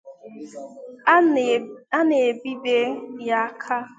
a na-ebibe ya aka